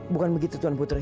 bukan begitu tuan putri